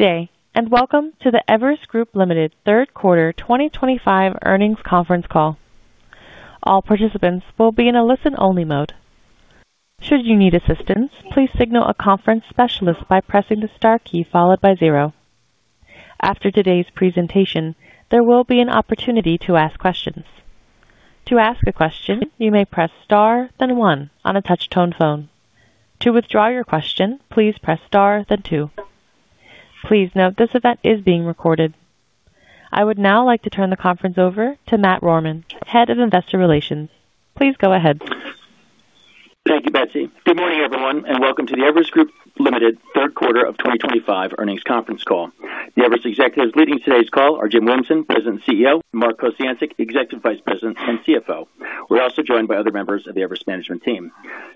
Today, and welcome to the Everest Group Ltd. Third Quarter 2025 Earnings Conference Call. All participants will be in a listen-only mode. Should you need assistance, please signal a conference specialist by pressing the star key followed by zero. After today's presentation, there will be an opportunity to ask questions. To ask a question, you may press star, then one on a touch-tone phone. To withdraw your question, please press star, then two. Please note this event is being recorded. I would now like to turn the conference over to Matt Rohrmann, Head of Investor Relations. Please go ahead. Thank you, Betsy. Good morning, everyone, and welcome to the Everest Group Ltd. Third Quarter of 2025 Earnings Conference Call. The Everest executives leading today's call are Jim Williamson, President and CEO, and Mark Kociancic, Executive Vice President and CFO. We're also joined by other members of the Everest management team.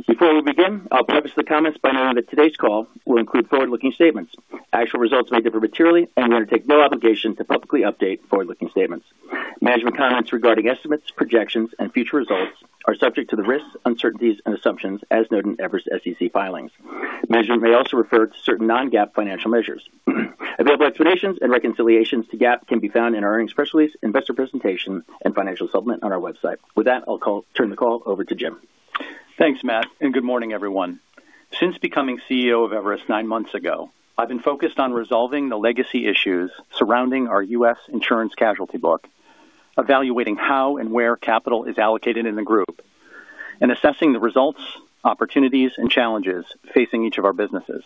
Before we begin, I'll preface the comments by noting that today's call will include forward-looking statements. Actual results may differ materially, and we undertake no obligation to publicly update forward-looking statements. Management comments regarding estimates, projections, and future results are subject to the risks, uncertainties, and assumptions as noted in Everest SEC filings. Management may also refer to certain non-GAAP financial measures. Available explanations and reconciliations to GAAP can be found in our earnings specialties, investor presentation, and financial supplement on our website. With that, I'll turn the call over to Jim. Thanks, Matt, and good morning, everyone. Since becoming CEO of Everest nine months ago, I've been focused on resolving the legacy issues surrounding our U.S. insurance casualty book, evaluating how and where capital is allocated in the group, and assessing the results, opportunities, and challenges facing each of our businesses.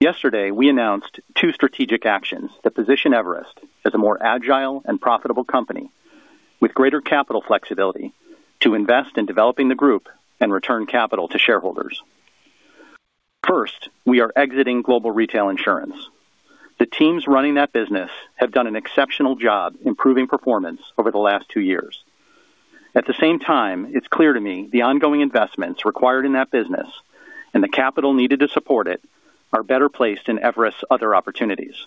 Yesterday, we announced two strategic actions that position Everest as a more agile and profitable company with greater capital flexibility to invest in developing the group and return capital to shareholders. First, we are exiting global retail insurance. The teams running that business have done an exceptional job improving performance over the last two years. At the same time, it's clear to me the ongoing investments required in that business and the capital needed to support it are better placed in Everest's other opportunities.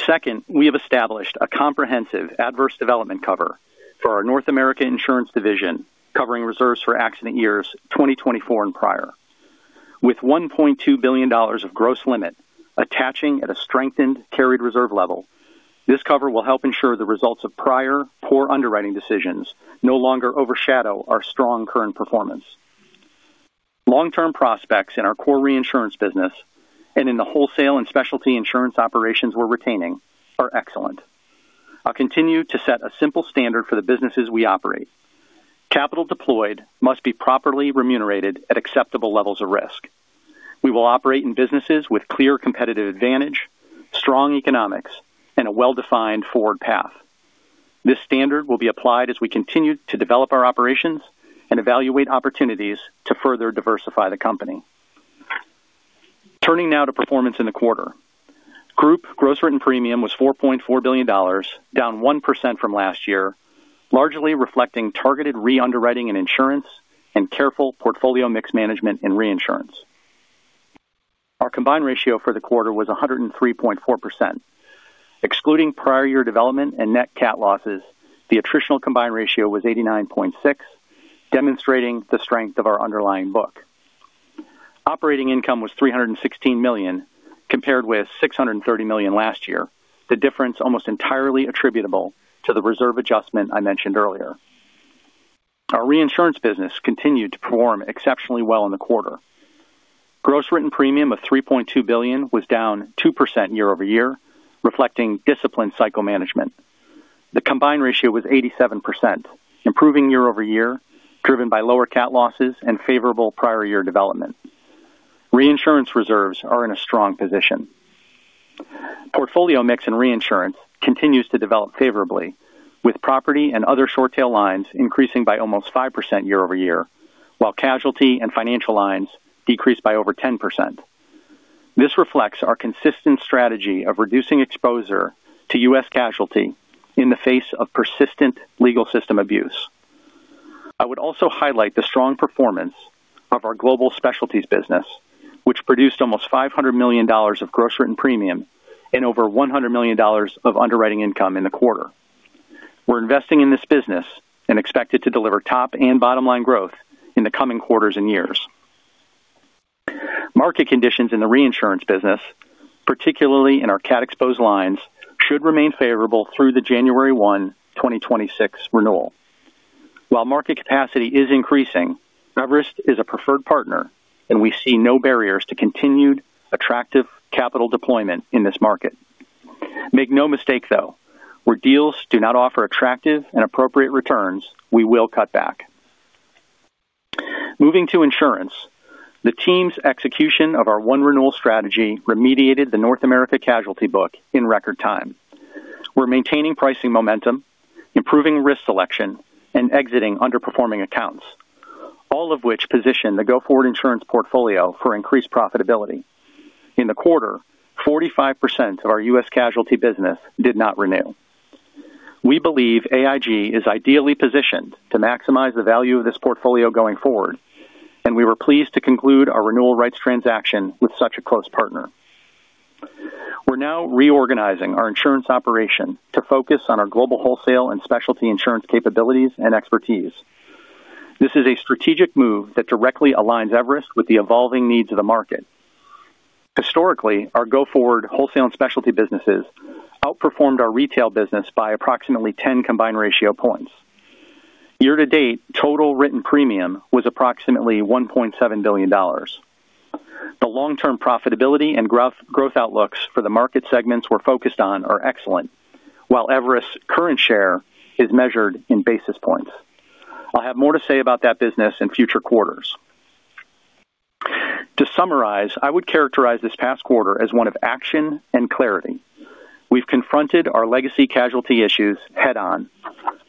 Second, we have established a comprehensive adverse development cover for our North America insurance division, covering reserves for accident years 2024 and prior. With $1.2 billion of gross limit attaching at a strengthened carried reserve level, this cover will help ensure the results of prior poor underwriting decisions no longer overshadow our strong current performance. Long-term prospects in our core reinsurance business and in the wholesale and specialty insurance operations we're retaining are excellent. I'll continue to set a simple standard for the businesses we operate. Capital deployed must be properly remunerated at acceptable levels of risk. We will operate in businesses with clear competitive advantage, strong economics, and a well-defined forward path. This standard will be applied as we continue to develop our operations and evaluate opportunities to further diversify the company. Turning now to performance in the quarter, the group gross written premium was $4.4 billion, down 1% from last year, largely reflecting targeted re-underwriting in insurance and careful portfolio mix management in reinsurance. Our combined ratio for the quarter was 103.4%. Excluding prior year development and net CAT losses, the attritional combined ratio was 89.6%, demonstrating the strength of our underlying book. Operating income was $316 million compared with $630 million last year, the difference almost entirely attributable to the reserve adjustment I mentioned earlier. Our reinsurance business continued to perform exceptionally well in the quarter. Gross written premium of $3.2 billion was down 2% year-over-year, reflecting disciplined cycle management. The combined ratio was 87%, improving year-over-year, driven by lower CAT losses and favorable prior year development. Reinsurance reserves are in a strong position. Portfolio mix in reinsurance continues to develop favorably, with property and other short-tail lines increasing by almost 5% year-over-year, while casualty and financial lines decreased by over 10%. This reflects our consistent strategy of reducing exposure to U.S. casualty in the face of persistent legal system abuse. I would also highlight the strong performance of our global specialties business, which produced almost $500 million of gross written premium and over $100 million of underwriting income in the quarter. We're investing in this business and expect it to deliver top and bottom-line growth in the coming quarters and years. Market conditions in the reinsurance business, particularly in our CAT-exposed lines, should remain favorable through the January 1, 2026 renewal. While market capacity is increasing, Everest is a preferred partner, and we see no barriers to continued attractive capital deployment in this market. Make no mistake, though, where deals do not offer attractive and appropriate returns, we will cut back. Moving to insurance, the team's execution of our one renewal strategy remediated the North America casualty book in record time. We're maintaining pricing momentum, improving risk selection, and exiting underperforming accounts, all of which position the go-forward insurance portfolio for increased profitability. In the quarter, 45% of our U.S. casualty business did not renew. We believe AIG is ideally positioned to maximize the value of this portfolio going forward, and we were pleased to conclude our renewal rights transaction with such a close partner. We're now reorganizing our insurance operation to focus on our global wholesale and specialty insurance capabilities and expertise. This is a strategic move that directly aligns Everest with the evolving needs of the market. Historically, our go-forward wholesale and specialty businesses outperformed our retail business by approximately 10 combined ratio points. Year-to-date, total written premium was approximately $1.7 billion. The long-term profitability and growth outlooks for the market segments we're focused on are excellent, while Everest's current share is measured in basis points. I'll have more to say about that business in future quarters. To summarize, I would characterize this past quarter as one of action and clarity. We've confronted our legacy casualty issues head-on,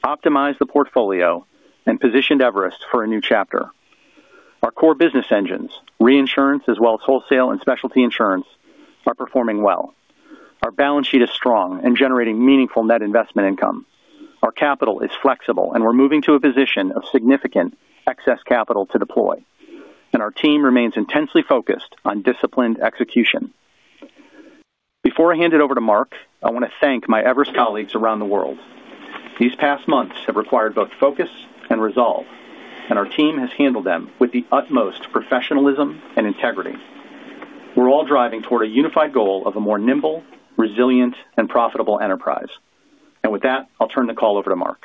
optimized the portfolio, and positioned Everest for a new chapter. Our core business engines, reinsurance, as well as wholesale and specialty insurance, are performing well. Our balance sheet is strong and generating meaningful net investment income. Our capital is flexible, and we're moving to a position of significant excess capital to deploy. Our team remains intensely focused on disciplined execution. Before I hand it over to Mark, I want to thank my Everest colleagues around the world. These past months have required both focus and resolve, and our team has handled them with the utmost professionalism and integrity. We're all driving toward a unified goal of a more nimble, resilient, and profitable enterprise. With that, I'll turn the call over to Mark.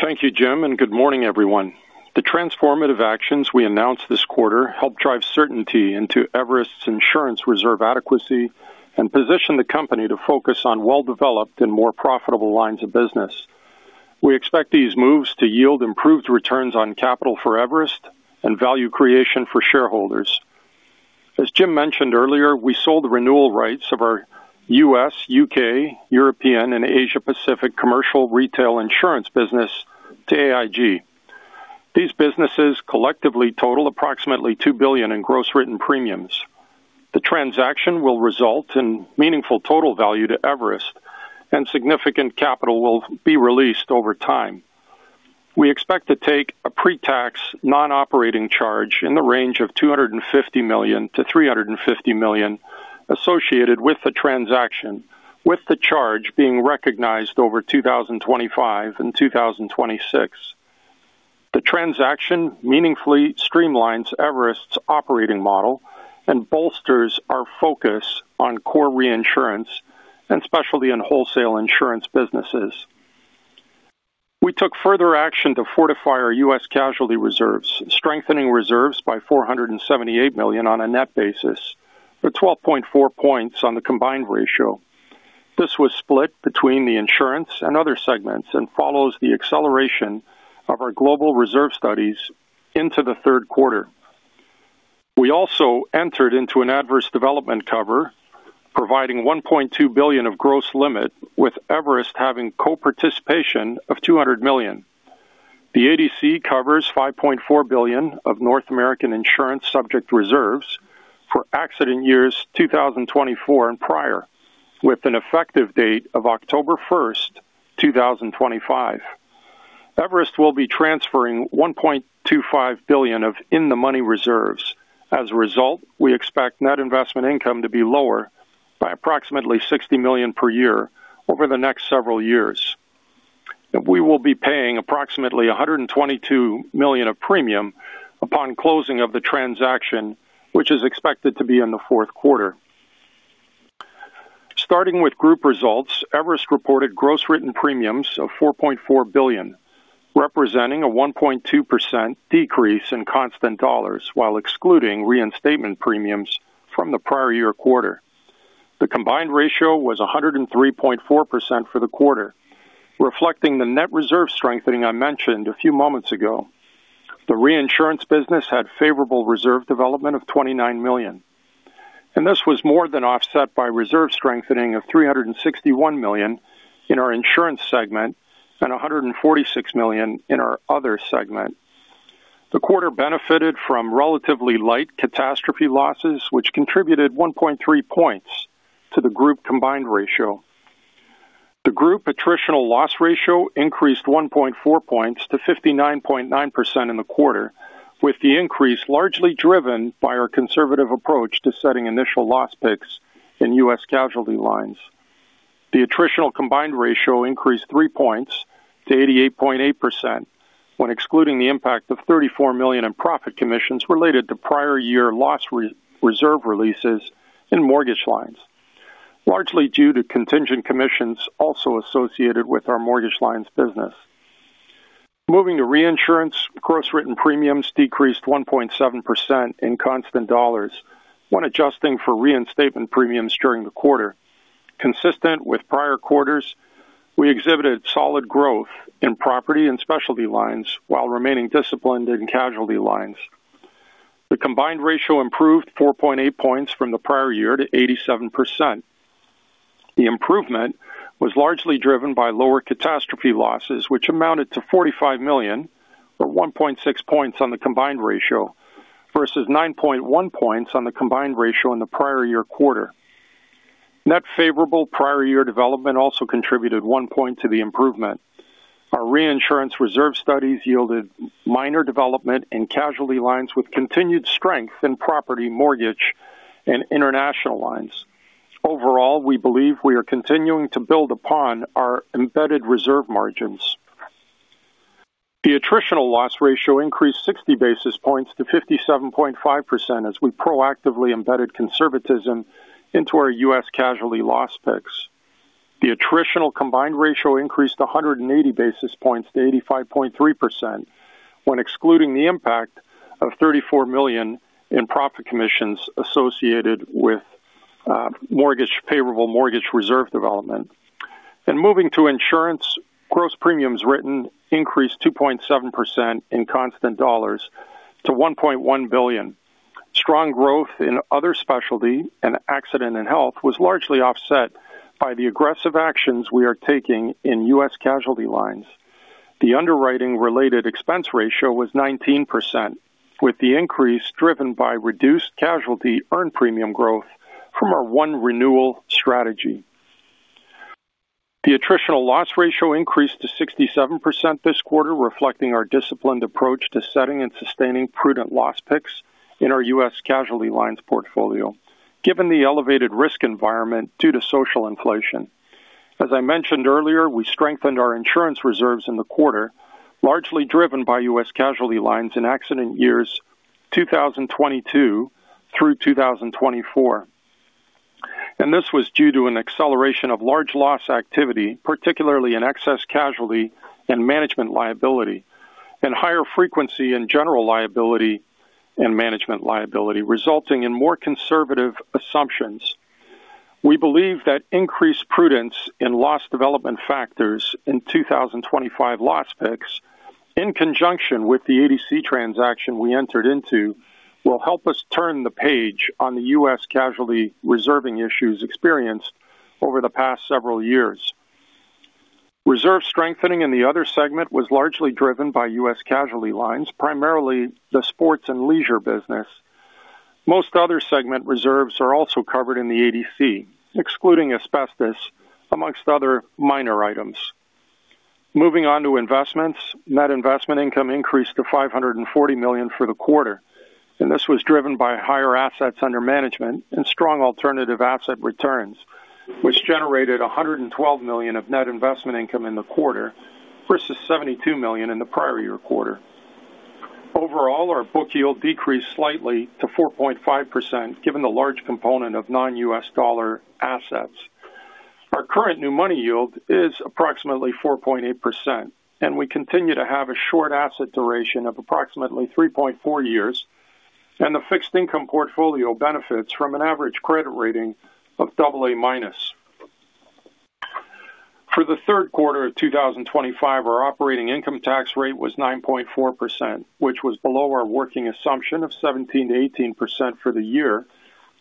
Thank you, Jim, and good morning, everyone. The transformative actions we announced this quarter helped drive certainty into Everest's insurance reserve adequacy and positioned the company to focus on well-developed and more profitable lines of business. We expect these moves to yield improved returns on capital for Everest and value creation for shareholders. As Jim mentioned earlier, we sold the renewal rights of our U.S., UK, European, and Asia-Pacific commercial retail insurance business to AIG. These businesses collectively total approximately $2 billion in gross written premiums. The transaction will result in meaningful total value to Everest, and significant capital will be released over time. We expect to take a pre-tax non-operating charge in the range of $250 million to $350 million associated with the transaction, with the charge being recognized over 2025 and 2026. The transaction meaningfully streamlines Everest's operating model and bolsters our focus on core reinsurance and specialty and wholesale insurance businesses. We took further action to fortify our U.S. casualty reserves, strengthening reserves by $478 million on a net basis or 12.4% on the combined ratio. This was split between the insurance and other segments and follows the acceleration of our global reserve studies into the third quarter. We also entered into an adverse development cover, providing $1.2 billion of gross limit, with Everest having co-participation of $200 million. The ADC covers $5.4 billion of North American insurance subject reserves for accident years 2024 and prior, with an effective date of October 1, 2025. Everest will be transferring $1.25 billion of in-the-money reserves. As a result, we expect net investment income to be lower by approximately $60 million per year over the next several years. We will be paying approximately $122 million of premium upon closing of the transaction, which is expected to be in the fourth quarter. Starting with group results, Everest reported gross written premiums of $4.4 billion, representing a 1.2% decrease in constant dollars while excluding reinstatement premiums from the prior year quarter. The combined ratio was 103.4% for the quarter, reflecting the net reserve strengthening I mentioned a few moments ago. The reinsurance business had favorable reserve development of $29 million, and this was more than offset by reserve strengthening of $361 million in our insurance segment and $146 million in our other segment. The quarter benefited from relatively light catastrophe losses, which contributed 1.3 points to the group combined ratio. The group attritional loss ratio increased 1.4 points to 59.9% in the quarter, with the increase largely driven by our conservative approach to setting initial loss picks in U.S. casualty lines. The attritional combined ratio increased 3 points to 88.8% when excluding the impact of $34 million in profit commissions related to prior year loss reserve releases in mortgage lines, largely due to contingent commissions also associated with our mortgage lines business. Moving to reinsurance, gross written premiums decreased 1.7% in constant dollars when adjusting for reinstatement premiums during the quarter. Consistent with prior quarters, we exhibited solid growth in property and specialty lines while remaining disciplined in casualty lines. The combined ratio improved 4.8 points from the prior year to 87%. The improvement was largely driven by lower catastrophe losses, which amounted to $45 million or 1.6 points on the combined ratio versus 9.1 points on the combined ratio in the prior year quarter. Net favorable prior year development also contributed one point to the improvement. Our reinsurance reserve studies yielded minor development in casualty lines with continued strength in property, mortgage, and international lines. Overall, we believe we are continuing to build upon our embedded reserve margins. The attritional loss ratio increased 60 basis points to 57.5% as we proactively embedded conservatism into our U.S. casualty loss picks. The attritional combined ratio increased 180 basis points to 85.3% when excluding the impact of $34 million in profit commissions associated with favorable mortgage reserve development. Moving to insurance, gross premiums written increased 2.7% in constant dollars to $1.1 billion. Strong growth in other specialty and accident and health was largely offset by the aggressive actions we are taking in U.S. casualty lines. The underwriting related expense ratio was 19%, with the increase driven by reduced casualty earned premium growth from our one renewal strategy. The attritional loss ratio increased to 67% this quarter, reflecting our disciplined approach to setting and sustaining prudent loss picks in our U.S. casualty lines portfolio, given the elevated risk environment due to social inflation. As I mentioned earlier, we strengthened our insurance reserves in the quarter, largely driven by U.S. casualty lines in accident years 2022 through 2024. This was due to an acceleration of large loss activity, particularly in excess casualty and management liability, and higher frequency in general liability and management liability, resulting in more conservative assumptions. We believe that increased prudence in loss development factors in 2025 loss picks, in conjunction with the ADC transaction we entered into, will help us turn the page on the U.S. casualty reserving issues experienced over the past several years. Reserve strengthening in the other segment was largely driven by U.S. casualty lines, primarily the sports and leisure business. Most other segment reserves are also covered in the ADC, excluding asbestos amongst other minor items. Moving on to investments, net investment income increased to $540 million for the quarter, and this was driven by higher assets under management and strong alternative asset returns, which generated $112 million of net investment income in the quarter versus $72 million in the prior year quarter. Overall, our book yield decreased slightly to 4.5%, given the large component of non-U.S. dollar assets. Our current new money yield is approximately 4.8%, and we continue to have a short asset duration of approximately 3.4 years, and the fixed income portfolio benefits from an average credit rating of AA minus. For the third quarter of 2025, our operating income tax rate was 9.4%, which was below our working assumption of 17%-18% for the year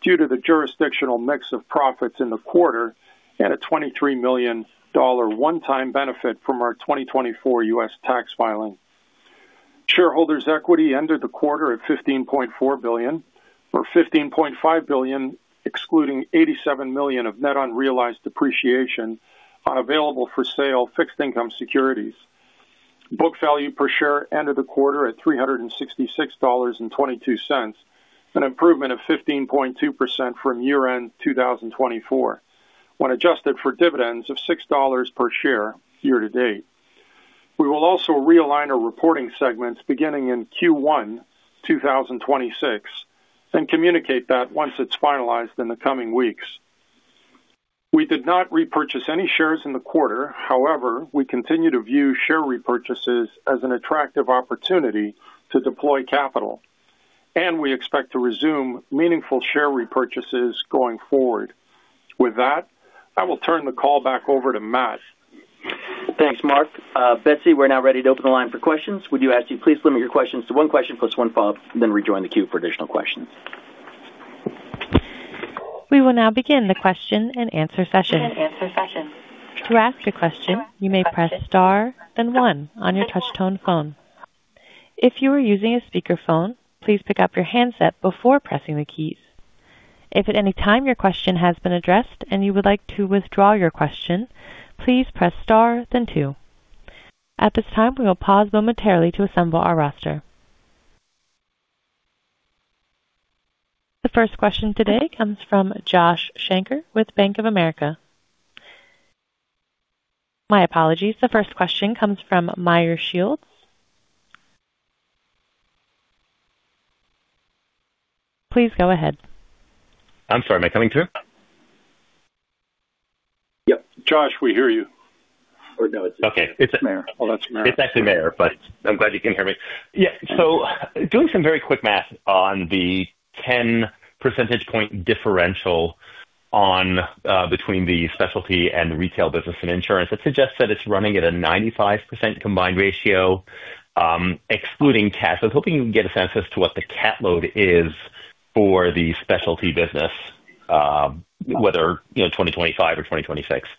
due to the jurisdictional mix of profits in the quarter and a $23 million one-time benefit from our 2024 U.S. tax filing. Shareholders' equity ended the quarter at $15.4 billion, or $15.5 billion, excluding $87 million of net unrealized depreciation on available for sale fixed income securities. Book value per share ended the quarter at $366.22, an improvement of 15.2% from year-end 2024 when adjusted for dividends of $6 per share year to date. We will also realign our reporting segments beginning in Q1 2026 and communicate that once it's finalized in the coming weeks. We did not repurchase any shares in the quarter; however, we continue to view share repurchases as an attractive opportunity to deploy capital, and we expect to resume meaningful share repurchases going forward. With that, I will turn the call back over to Matt. Thanks, Mark. Betsy, we're now ready to open the line for questions. We do ask you to please limit your questions to one question plus one follow-up, then rejoin the queue for additional questions. We will now begin the question and answer session. To ask a question, you may press star, then one on your touch-tone phone. If you are using a speaker phone, please pick up your handset before pressing the keys. If at any time your question has been addressed and you would like to withdraw your question, please press star, then two. At this time, we will pause momentarily to assemble our roster. The first question today comes from Meyer Shields. Please go ahead. I'm sorry, am I coming too? Yep, Josh, we hear you. No, it's Meyer. Okay. It's Meyer. Oh, that's Meyer. It's actually Meyer, but I'm glad you can hear me. Yeah, doing some very quick math on the 10% point differential between the specialty and retail business in insurance, it suggests that it's running at a 95% combined ratio, excluding CAT. I was hoping you could get a sense as to what the CAT load is for the specialty business, whether, you know, 2025 or 2026.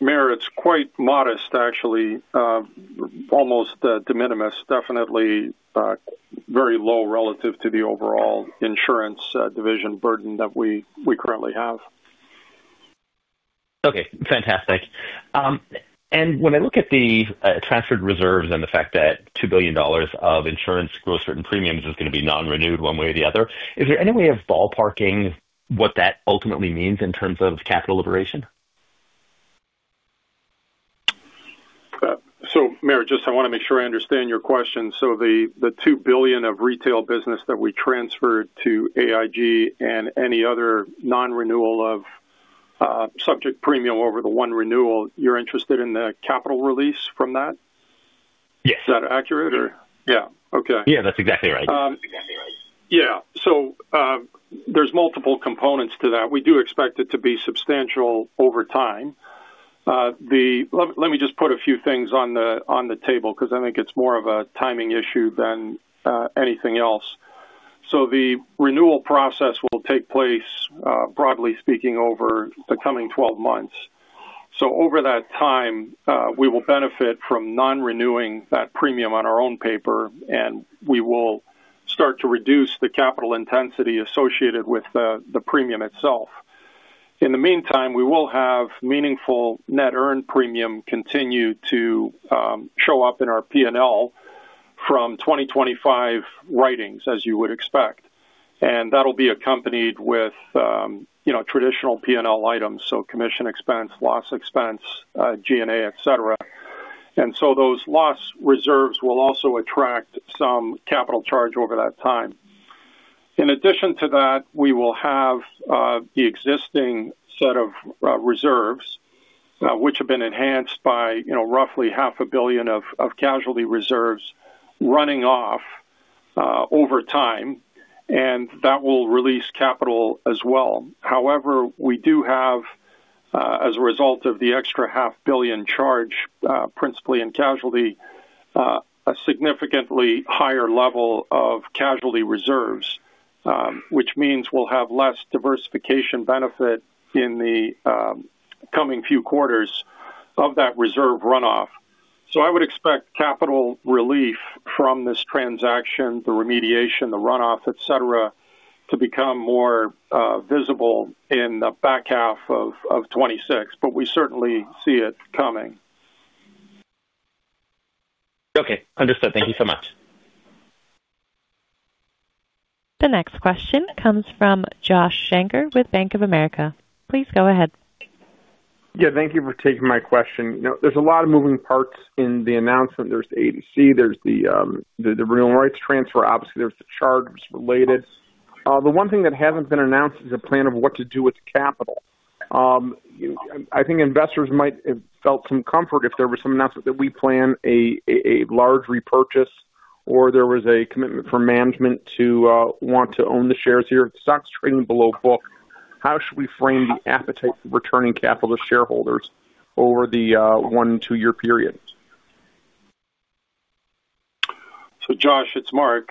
Mayor, it's quite modest, actually, almost de minimis, definitely very low relative to the overall insurance division burden that we currently have. Okay. Fantastic. When I look at the transferred reserves and the fact that $2 billion of insurance gross written premiums is going to be non-renewed one way or the other, is there any way of ballparking what that ultimately means in terms of capital liberation? Mayor, I just want to make sure I understand your question. The $2 billion of retail business that we transferred to AIG and any other non-renewal of subject premium over the one renewal, you're interested in the capital release from that? Yes. Is that accurate? Yeah, okay. Yeah, that's exactly right. Exactly right. Yeah. There's multiple components to that. We do expect it to be substantial over time. Let me just put a few things on the table because I think it's more of a timing issue than anything else. The renewal process will take place, broadly speaking, over the coming 12 months. Over that time, we will benefit from non-renewing that premium on our own paper, and we will start to reduce the capital intensity associated with the premium itself. In the meantime, we will have meaningful net earned premium continue to show up in our P&L from 2025 writings, as you would expect. That'll be accompanied with traditional P&L items, so commission expense, loss expense, G&A, etc. Those loss reserves will also attract some capital charge over that time. In addition to that, we will have the existing set of reserves, which have been enhanced by roughly $0.5 billion of casualty reserves running off over time, and that will release capital as well. However, we do have, as a result of the extra $0.5 billion charge, principally in casualty, a significantly higher level of casualty reserves, which means we'll have less diversification benefit in the coming few quarters of that reserve runoff. I would expect capital relief from this transaction, the remediation, the runoff, etc., to become more visible in the back half of 2026, but we certainly see it coming. Okay, understood. Thank you so much. The next question comes from Josh Shanker with Bank of America. Please go ahead. Yeah, thank you for taking my question. You know, there's a lot of moving parts in the announcement. There's the ADC, there's the renewal rights transfer, obviously, there's the charge that's related. The one thing that hasn't been announced is a plan of what to do with the capital. You know, I think investors might have felt some comfort if there was some announcement that we plan a large repurchase or there was a commitment from management to want to own the shares here. If the stock's trading below book, how should we frame the appetite for returning capital to shareholders over the one to two-year period? Josh, it's Mark.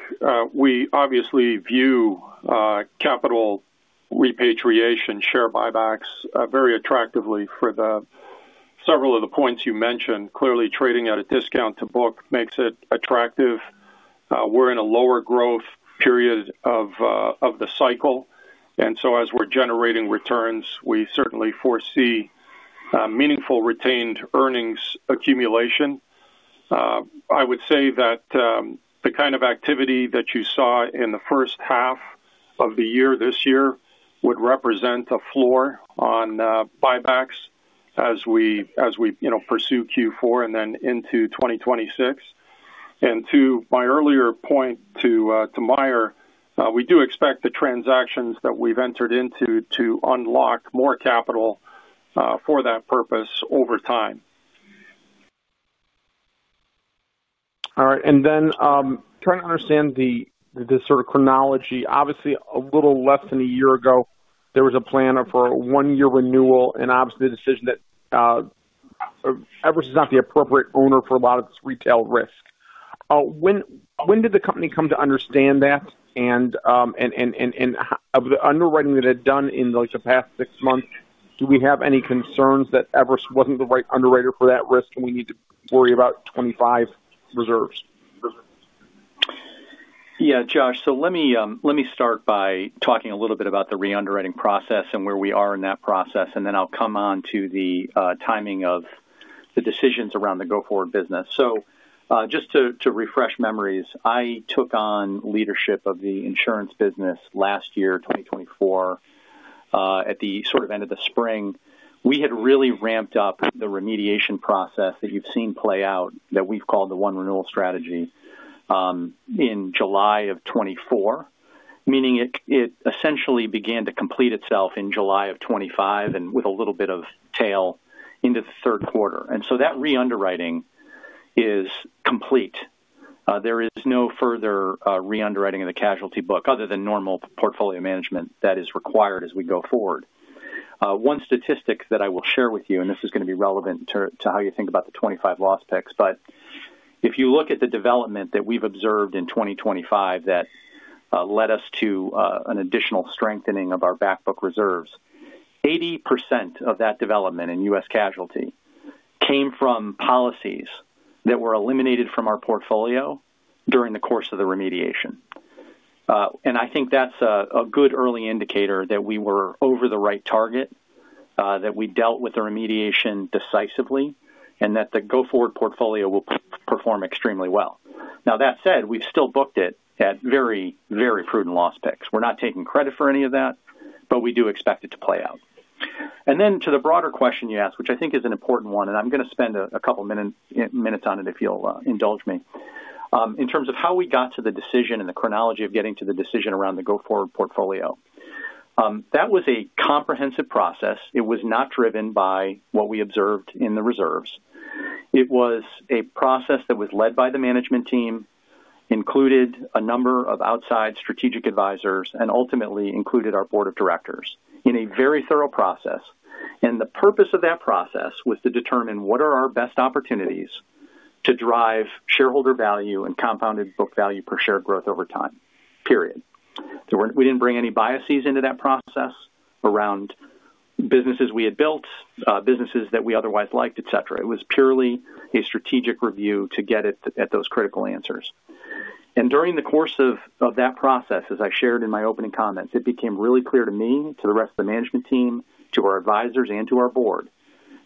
We obviously view capital repatriation, share buybacks, very attractively for several of the points you mentioned. Clearly, trading at a discount to book makes it attractive. We're in a lower growth period of the cycle, and as we're generating returns, we certainly foresee meaningful retained earnings accumulation. I would say that the kind of activity that you saw in the first half of the year this year would represent a floor on buybacks as we pursue Q4 and then into 2026. To my earlier point to Meyer, we do expect the transactions that we've entered into to unlock more capital for that purpose over time. All right. Trying to understand the sort of chronology, obviously, a little less than a year ago, there was a plan for a one-year renewal and obviously the decision that Everest is not the appropriate owner for a lot of this retail risk. When did the company come to understand that, and of the underwriting that it had done in the past six months, do we have any concerns that Everest wasn't the right underwriter for that risk and we need to worry about 2025 reserves? Yeah, Josh, let me start by talking a little bit about the re-underwriting process and where we are in that process, and then I'll come on to the timing of the decisions around the go-forward business. Just to refresh memories, I took on leadership of the insurance business last year, 2024, at the end of the spring. We had really ramped up the remediation process that you've seen play out that we've called the one renewal strategy, in July of 2024, meaning it essentially began to complete itself in July of 2025 with a little bit of tail into the third quarter. That re-underwriting is complete. There is no further re-underwriting of the casualty book other than normal portfolio management that is required as we go forward. One statistic that I will share with you, and this is going to be relevant to how you think about the 2025 loss picks, if you look at the development that we've observed in 2025 that led us to an additional strengthening of our backbook reserves, 80% of that development in U.S. casualty came from policies that were eliminated from our portfolio during the course of the remediation. I think that's a good early indicator that we were over the right target, that we dealt with the remediation decisively, and that the go-forward portfolio will perform extremely well. That said, we've still booked it at very, very prudent loss picks. We're not taking credit for any of that, but we do expect it to play out. To the broader question you asked, which I think is an important one, and I'm going to spend a couple of minutes on it if you'll indulge me, in terms of how we got to the decision and the chronology of getting to the decision around the go-forward portfolio, that was a comprehensive process. It was not driven by what we observed in the reserves. It was a process that was led by the management team, included a number of outside strategic advisors, and ultimately included our board of directors in a very thorough process. The purpose of that process was to determine what are our best opportunities to drive shareholder value and compounded book value per share growth over time. Period. We didn't bring any biases into that process around businesses we had built, businesses that we otherwise liked, etc. It was purely a strategic review to get at those critical answers. During the course of that process, as I shared in my opening comments, it became really clear to me, to the rest of the management team, to our advisors, and to our board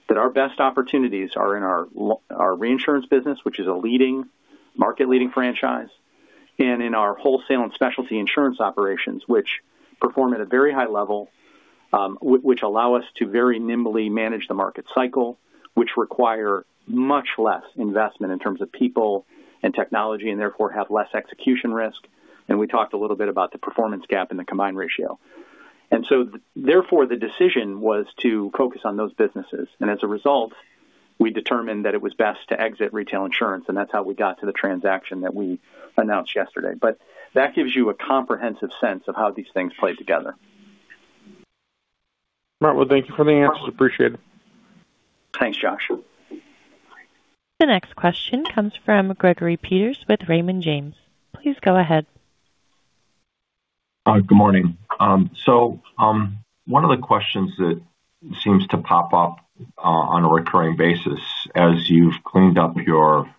that our best opportunities are in our reinsurance business, which is a market-leading franchise, and in our wholesale and specialty insurance operations, which perform at a very high level, which allow us to very nimbly manage the market cycle, which require much less investment in terms of people and technology, and therefore have less execution risk. We talked a little bit about the performance gap in the combined ratio. Therefore, the decision was to focus on those businesses. As a result, we determined that it was best to exit retail insurance. That's how we got to the transaction that we announced yesterday. That gives you a comprehensive sense of how these things play together. Mark, thank you for the answers. Appreciate it. Thanks, Josh. The next question comes from Charles Gregory Peters with Raymond James. Please go ahead. Good morning. One of the questions that seems to pop up on a recurring basis as you've cleaned up your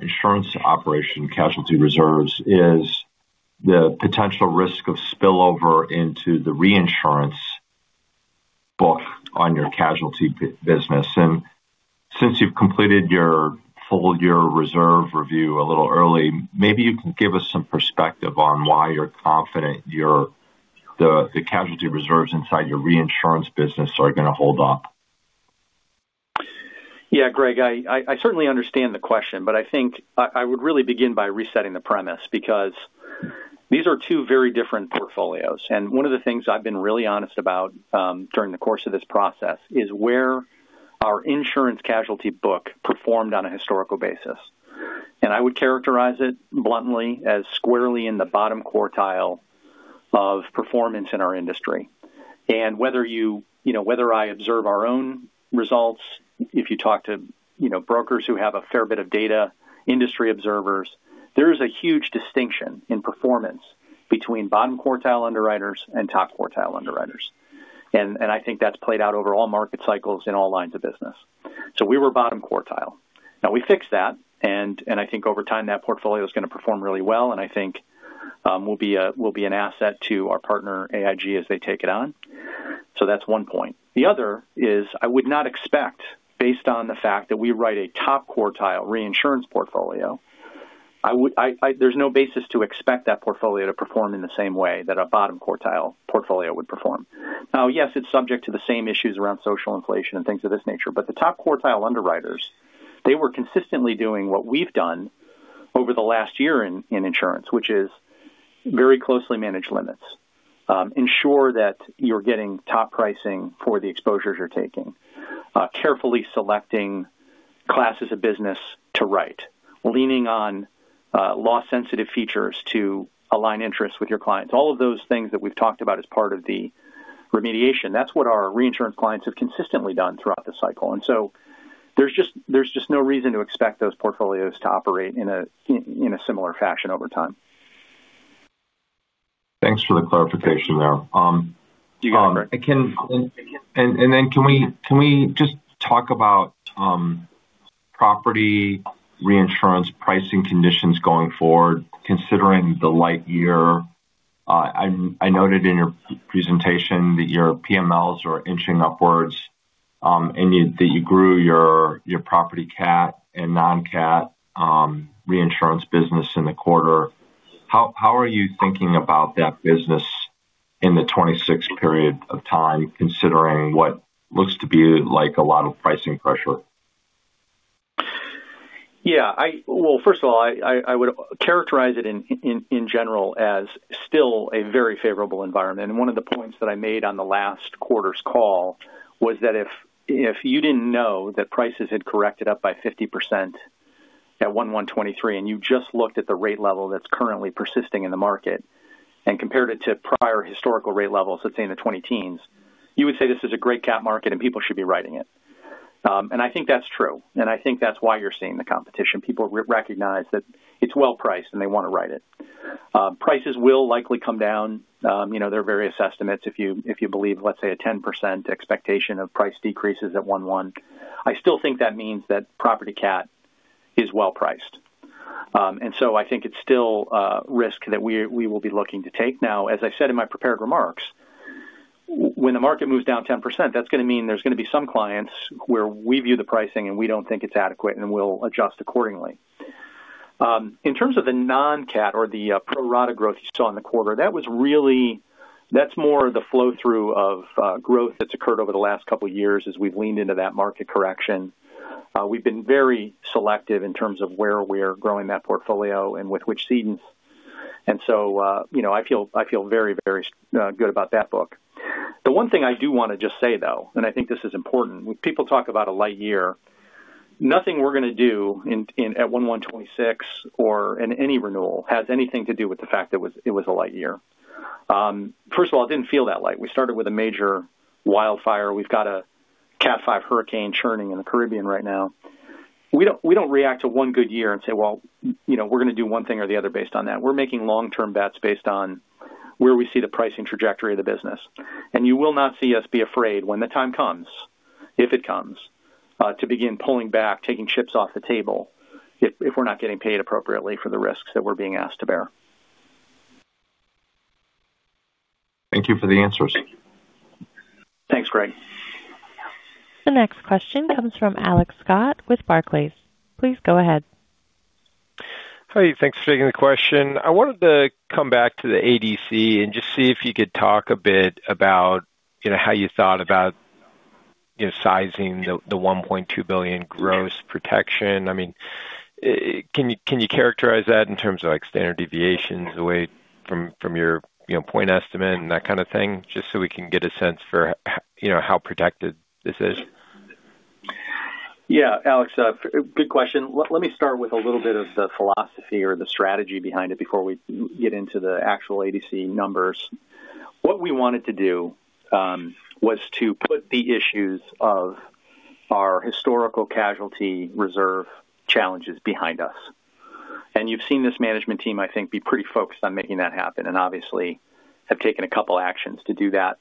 insurance operation casualty reserves is the potential risk of spillover into the reinsurance book on your casualty business. Since you've completed your full-year reserve review a little early, maybe you can give us some perspective on why you're confident the casualty reserves inside your reinsurance business are going to hold up. Greg, I certainly understand the question, but I think I would really begin by resetting the premise because these are two very different portfolios. One of the things I've been really honest about during the course of this process is where our insurance casualty book performed on a historical basis. I would characterize it bluntly as squarely in the bottom quartile of performance in our industry. Whether I observe our own results or if you talk to brokers who have a fair bit of data, industry observers, there is a huge distinction in performance between bottom quartile underwriters and top quartile underwriters. I think that's played out over all market cycles in all lines of business. We were bottom quartile. Now we fixed that, and I think over time that portfolio is going to perform really well. I think we'll be an asset to our partner, AIG, as they take it on. That's one point. The other is I would not expect, based on the fact that we write a top quartile reinsurance portfolio, there's no basis to expect that portfolio to perform in the same way that a bottom quartile portfolio would perform. Yes, it's subject to the same issues around social inflation and things of this nature, but the top quartile underwriters were consistently doing what we've done over the last year in insurance, which is very closely manage limits, ensure that you're getting top pricing for the exposures you're taking, carefully selecting classes of business to write, leaning on loss-sensitive features to align interests with your clients. All of those things that we've talked about as part of the remediation, that's what our reinsurance clients have consistently done throughout the cycle. There's just no reason to expect those portfolios to operate in a similar fashion over time. Thanks for the clarification there. You got it, Greg. Can we just talk about property reinsurance pricing conditions going forward, considering the light year? I noted in your presentation that your PMLs are inching upwards, and that you grew your property CAT and non-CAT reinsurance business in the quarter. How are you thinking about that business in the 2026 period of time, considering what looks to be like a lot of pricing pressure? First of all, I would characterize it in general as still a very favorable environment. One of the points that I made on the last quarter's call was that if you did not know that prices had corrected up by 50% at 1/1/2023 and you just looked at the rate level that's currently persisting in the market and compared it to prior historical rate levels, let's say in the 2010s, you would say this is a great CAT market and people should be writing it. I think that's true. I think that's why you're seeing the competition. People recognize that it's well-priced and they want to write it. Prices will likely come down. There are various estimates. If you believe, let's say, a 10% expectation of price decreases at 1/1, I still think that means that property CAT is well-priced. I think it's still a risk that we will be looking to take. As I said in my prepared remarks, when the market moves down 10%, that's going to mean there's going to be some clients where we view the pricing and we don't think it's adequate and we'll adjust accordingly. In terms of the non-CAT or the pro-rata growth you saw in the quarter, that was really more of the flow-through of growth that's occurred over the last couple of years as we've leaned into that market correction. We've been very selective in terms of where we're growing that portfolio and with which cedents. I feel very, very good about that book. The one thing I do want to just say, though, and I think this is important, when people talk about a light year, nothing we're going to do at 1/1/2026 or in any renewal has anything to do with the fact that it was a light year. First of all, it did not feel that light. We started with a major wildfire. We've got a CAT 5 hurricane churning in the Caribbean right now. We do not react to one good year and say, "You know, we're going to do one thing or the other based on that." We're making long-term bets based on where we see the pricing trajectory of the business. You will not see us be afraid when the time comes, if it comes, to begin pulling back, taking chips off the table if we're not getting paid appropriately for the risks that we're being asked to bear. Thank you for the answers. Thanks, Greg. The next question comes from Alex Scott with Barclays. Please go ahead. Hi. Thanks for taking the question. I wanted to come back to the ADC and just see if you could talk a bit about how you thought about sizing the $1.2 billion gross protection. Can you characterize that in terms of standard deviations away from your point estimate and that kind of thing? Just so we can get a sense for how protected this is. Yeah, Alex, good question. Let me start with a little bit of the philosophy or the strategy behind it before we get into the actual ADC numbers. What we wanted to do was to put the issues of our historical casualty reserve challenges behind us. You've seen this management team, I think, be pretty focused on making that happen and obviously have taken a couple of actions to do that.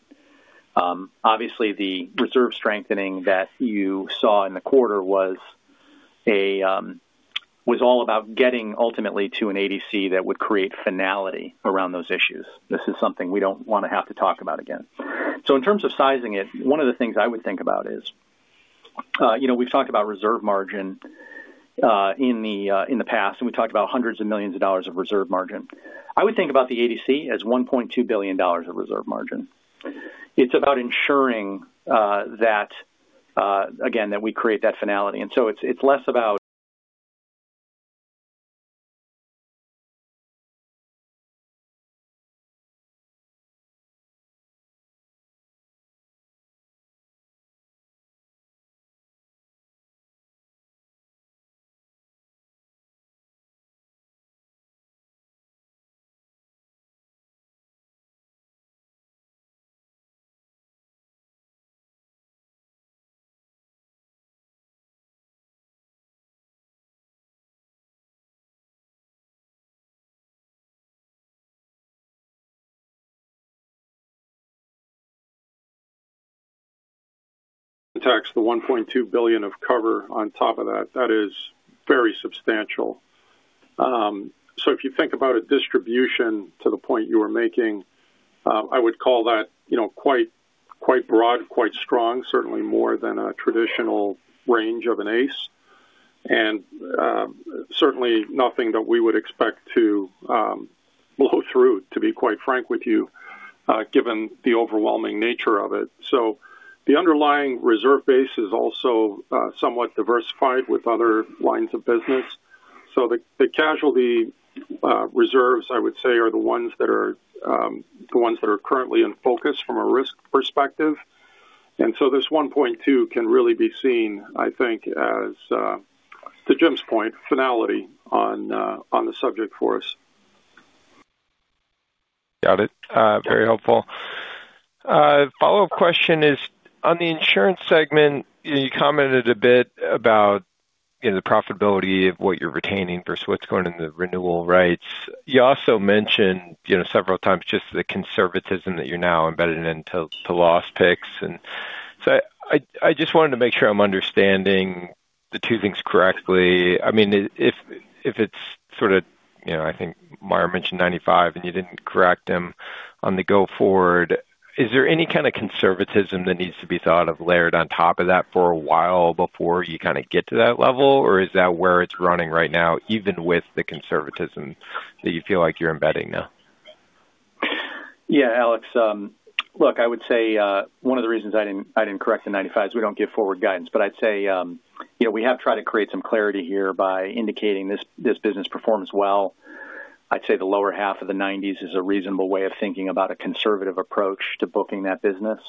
The reserve strengthening that you saw in the quarter was all about getting ultimately to an ADC that would create finality around those issues. This is something we don't want to have to talk about again. In terms of sizing it, one of the things I would think about is, you know, we've talked about reserve margin in the past, and we've talked about hundreds of millions of dollars of reserve margin. I would think about the ADC as $1.2 billion of reserve margin. It's about ensuring that, again, we create that finality. It's less about. Tax the $1.2 billion of cover on top of that. That is very substantial. If you think about a distribution to the point you were making, I would call that quite broad, quite strong, certainly more than a traditional range of an Ace, and certainly nothing that we would expect to blow through, to be quite frank with you, given the overwhelming nature of it. The underlying reserve base is also somewhat diversified with other lines of business. The casualty reserves, I would say, are the ones that are currently in focus from a risk perspective. This $1.2 billion can really be seen, I think, as, to Jim's point, finality on the subject for us. Got it. Very helpful. Follow-up question is, on the insurance segment, you commented a bit about the profitability of what you're retaining versus what's going in the renewal rights. You also mentioned several times just the conservatism that you're now embedded into the loss picks. I just wanted to make sure I'm understanding the two things correctly. I mean, if it's sort of, I think Meyer mentioned 95 and you didn't correct him on the go-forward, is there any kind of conservatism that needs to be thought of layered on top of that for a while before you get to that level? Or is that where it's running right now, even with the conservatism that you feel like you're embedding now? Yeah, Alex. I would say, one of the reasons I didn't correct the 95 is we don't give forward guidance. I'd say we have tried to create some clarity here by indicating this business performs well. I'd say the lower half of the 90s is a reasonable way of thinking about a conservative approach to booking that business.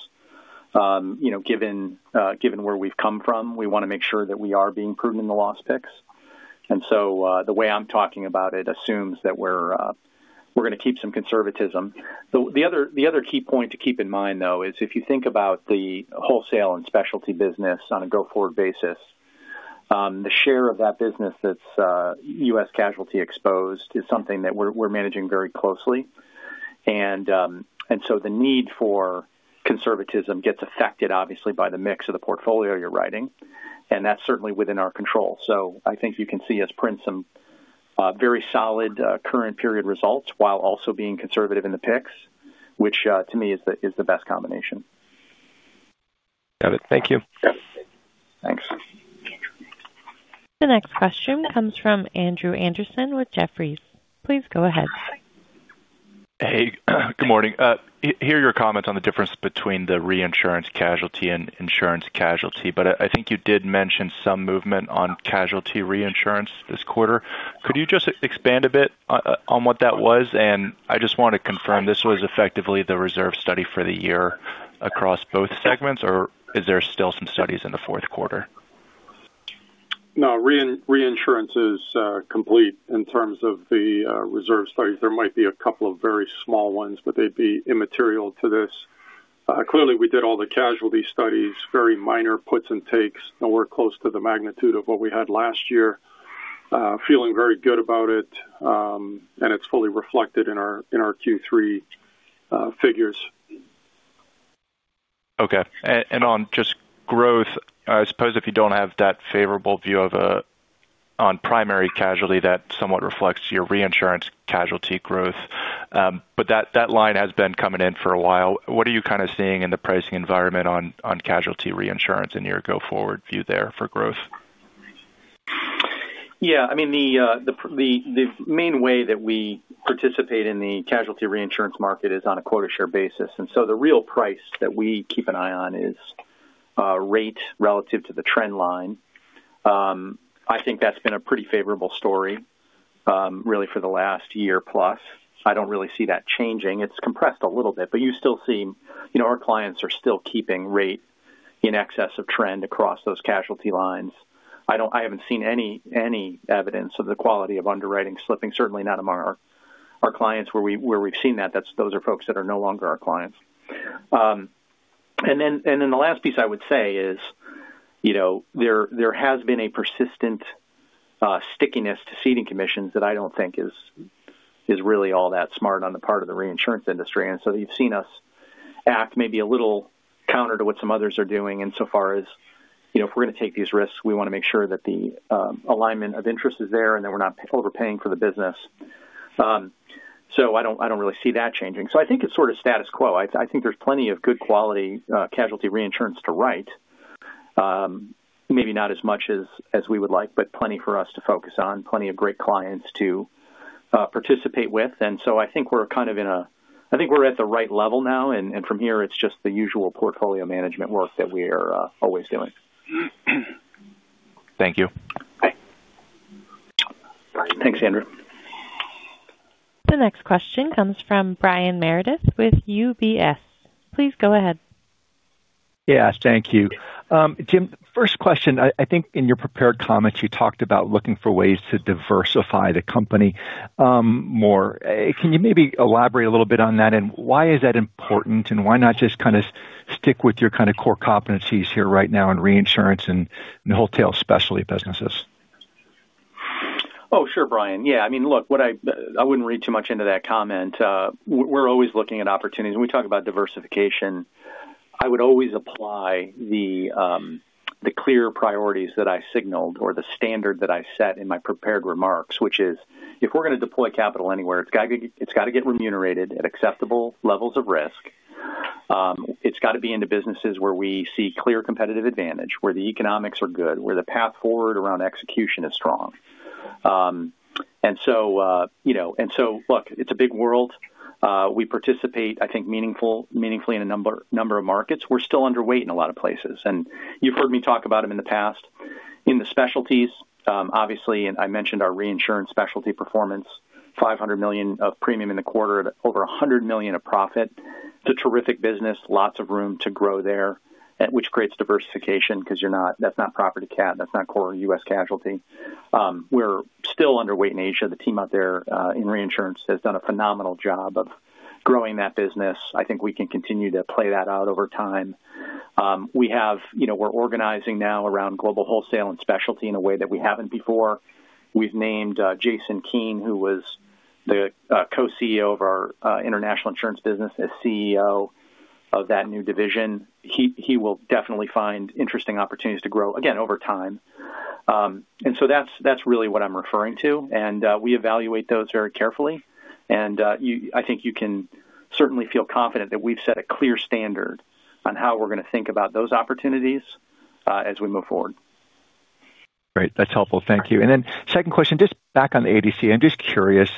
Given where we've come from, we want to make sure that we are being prudent in the loss picks. The way I'm talking about it assumes that we're going to keep some conservatism. The other key point to keep in mind, though, is if you think about the wholesale and specialty business on a go-forward basis, the share of that business that's U.S. casualty exposed is something that we're managing very closely. The need for conservatism gets affected, obviously, by the mix of the portfolio you're writing. That's certainly within our control. I think you can see us print some very solid current period results while also being conservative in the picks, which, to me, is the best combination. Got it. Thank you. Yeah. Thanks. The next question comes from Andrew Andersen with Jefferies. Please go ahead. Hey, good morning. I hear your comments on the difference between the reinsurance casualty and insurance casualty, but I think you did mention some movement on casualty reinsurance this quarter. Could you just expand a bit on what that was? I just want to confirm this was effectively the reserve study for the year across both segments, or is there still some studies in the fourth quarter? No, reinsurance is complete in terms of the reserve studies. There might be a couple of very small ones, but they'd be immaterial to this. Clearly, we did all the casualty studies, very minor puts and takes, nowhere close to the magnitude of what we had last year. Feeling very good about it, and it's fully reflected in our Q3 figures. Okay. On just growth, I suppose if you don't have that favorable view of A on primary casualty, that somewhat reflects your reinsurance casualty growth. That line has been coming in for a while. What are you kind of seeing in the pricing environment on casualty reinsurance in your go-forward view there for growth? Yeah, I mean, the main way that we participate in the casualty reinsurance market is on a quota share basis. The real price that we keep an eye on is rate relative to the trend line. I think that's been a pretty favorable story, really for the last year plus. I don't really see that changing. It's compressed a little bit, but you still see our clients are still keeping rate in excess of trend across those casualty lines. I haven't seen any evidence of the quality of underwriting slipping, certainly not among our clients where we've seen that. Those are folks that are no longer our clients. The last piece I would say is there has been a persistent stickiness to ceding commissions that I don't think is really all that smart on the part of the reinsurance industry. You've seen us act maybe a little counter to what some others are doing insofar as, if we're going to take these risks, we want to make sure that the alignment of interest is there and that we're not overpaying for the business. I don't really see that changing. I think it's sort of status quo. I think there's plenty of good quality casualty reinsurance to write, maybe not as much as we would like, but plenty for us to focus on, plenty of great clients to participate with. I think we're at the right level now, and from here, it's just the usual portfolio management work that we're always doing. Thank you. Thanks, Andrew. The next question comes from Brian Meredith with UBS. Please go ahead. Yes, thank you. Jim, first question, I think in your prepared comments, you talked about looking for ways to diversify the company more. Can you maybe elaborate a little bit on that? Why is that important? Why not just kind of stick with your kind of core competencies here right now in reinsurance and in the wholesale specialty businesses? Oh, sure, Brian. Yeah, I mean, look, I wouldn't read too much into that comment. We're always looking at opportunities. When we talk about diversification, I would always apply the clear priorities that I signaled or the standard that I set in my prepared remarks, which is if we're going to deploy capital anywhere, it's got to get remunerated at acceptable levels of risk. It's got to be into businesses where we see clear competitive advantage, where the economics are good, where the path forward around execution is strong. You know, it's a big world. We participate, I think, meaningfully in a number of markets. We're still underweight in a lot of places. You've heard me talk about them in the past. In the specialties, obviously, and I mentioned our reinsurance specialty performance, $500 million of premium in the quarter, over $100 million of profit. It's a terrific business, lots of room to grow there, which creates diversification because that's not property CAT, that's not core U.S. casualty. We're still underweight in Asia. The team out there in reinsurance has done a phenomenal job of growing that business. I think we can continue to play that out over time. We have, you know, we're organizing now around global wholesale and specialty in a way that we haven't before. We've named Jason Keen, who was the Co-CEO of our international insurance business, as CEO of that new division. He will definitely find interesting opportunities to grow, again, over time. That's really what I'm referring to. We evaluate those very carefully. I think you can certainly feel confident that we've set a clear standard on how we're going to think about those opportunities as we move forward. Great. That's helpful. Thank you. Second question, just back on the ADC, I'm just curious,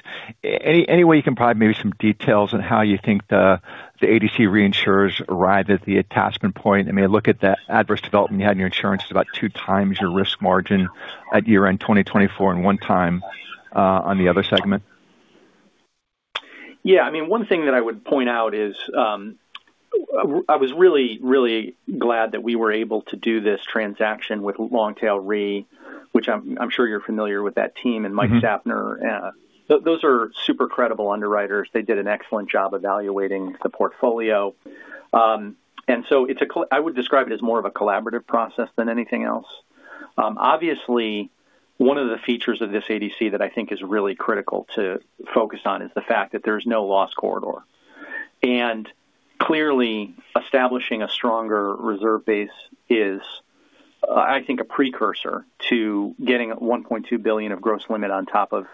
any way you can provide maybe some details on how you think the ADC reinsurers arrived at the attachment point? I mean, I look at the adverse development you had in your insurance, it's about two times your risk margin at year-end 2024 and one time on the other segment. Yeah, I mean, one thing that I would point out is, I was really, really glad that we were able to do this transaction with Longtail Re, which I'm sure you're familiar with that team and Mike Sapner. Those are super credible underwriters. They did an excellent job evaluating the portfolio, and so I would describe it as more of a collaborative process than anything else. Obviously, one of the features of this ADC that I think is really critical to focus on is the fact that there's no loss corridor. Clearly, establishing a stronger reserve base is, I think, a precursor to getting a $1.2 billion gross limit on top of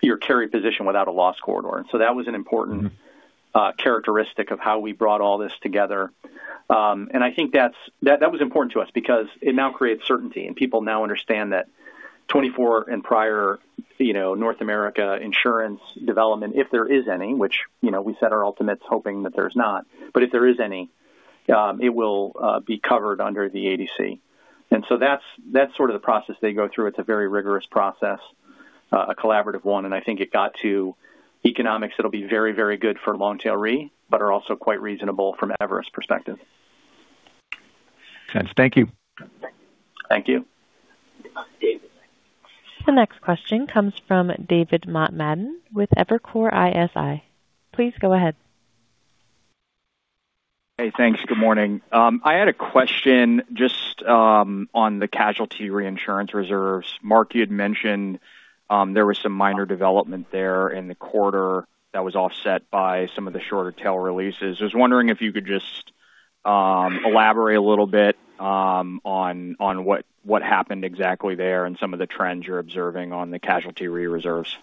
your carry position without a loss corridor. That was an important characteristic of how we brought all this together. I think that was important to us because it now creates certainty and people now understand that 2024 and prior, you know, North America insurance development, if there is any, which, you know, we set our ultimates hoping that there's not, but if there is any, it will be covered under the ADC. That's sort of the process they go through. It's a very rigorous process, a collaborative one. I think it got to economics that will be very, very good for Longtail Re, but are also quite reasonable from Everest's perspective. Makes sense. Thank you. Thank you. The next question comes from David Motemaden with Evercore ISI. Please go ahead. Hey, thanks. Good morning. I had a question just on the casualty reinsurance reserves. Mark, you had mentioned there was some minor development there in the quarter that was offset by some of the shorter tail releases. I was wondering if you could just elaborate a little bit on what happened exactly there and some of the trends you're observing on the casualty re-reserves.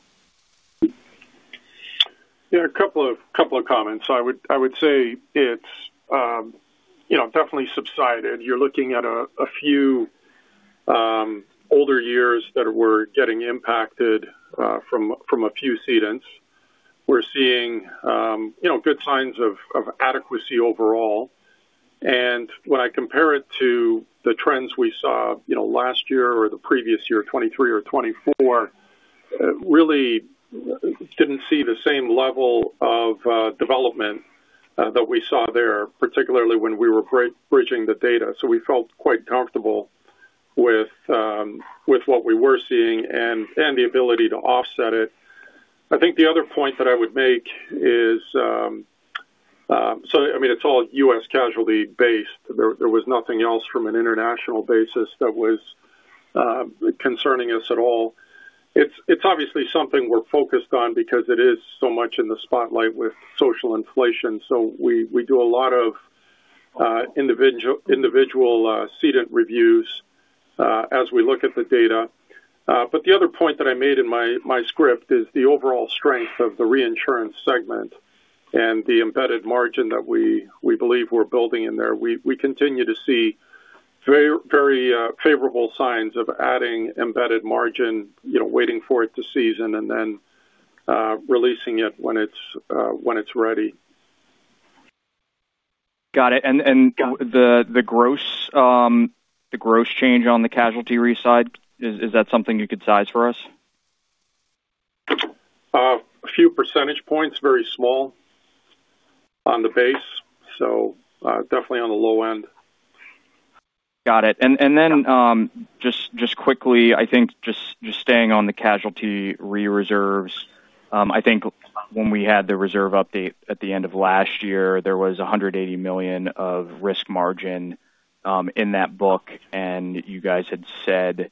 Yeah, a couple of comments. I would say it's definitely subsided. You're looking at a few older years that were getting impacted from a few seedings. We're seeing good signs of adequacy overall. When I compare it to the trends we saw last year or the previous year, 2023 or 2024, really didn't see the same level of development that we saw there, particularly when we were bridging the data. We felt quite comfortable with what we were seeing and the ability to offset it. I think the other point that I would make is it's all U.S. casualty-based. There was nothing else from an international basis that was concerning us at all. It's obviously something we're focused on because it is so much in the spotlight with social inflation. We do a lot of individual seeding reviews as we look at the data. The other point that I made in my script is the overall strength of the reinsurance segment and the embedded margin that we believe we're building in there. We continue to see very favorable signs of adding embedded margin, waiting for it to season and then releasing it when it's ready. Got it. The gross change on the casualty re-side, is that something you could size for us? A few percentage points, very small on the base, definitely on the low end. Got it. Just quickly, I think just staying on the casualty re-reserves, I think when we had the reserve update at the end of last year, there was $180 million of risk margin in that book. You guys had said it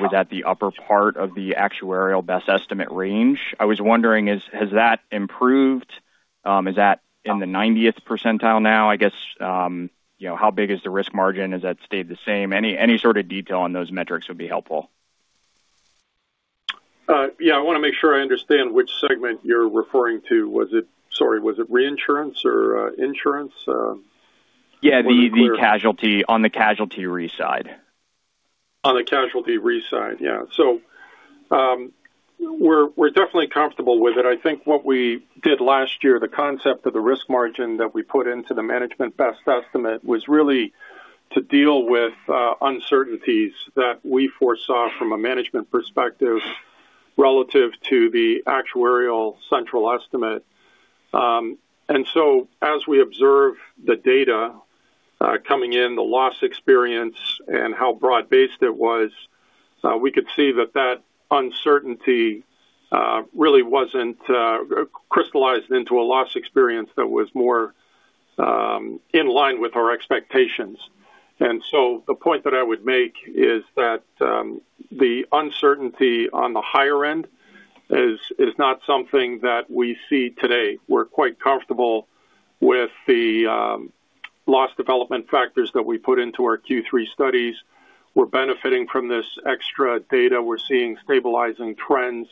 was at the upper part of the actuarial best estimate range. I was wondering, has that improved? Is that in the 90th percentile now? I guess, you know, how big is the risk margin? Has that stayed the same? Any sort of detail on those metrics would be helpful. I want to make sure I understand which segment you're referring to. Was it, sorry, was it reinsurance or insurance? Yeah, the casualty on the re-side. On the casualty re-side, yeah. We're definitely comfortable with it. I think what we did last year, the concept of the risk margin that we put into the management best estimate was really to deal with uncertainties that we foresaw from a management perspective relative to the actuarial central estimate. As we observe the data coming in, the loss experience, and how broad-based it was, we could see that that uncertainty really wasn't crystallized into a loss experience that was more in line with our expectations. The point that I would make is that the uncertainty on the higher end is not something that we see today. We're quite comfortable with the loss development factors that we put into our Q3 studies. We're benefiting from this extra data. We're seeing stabilizing trends.